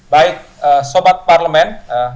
baik sobat parlemen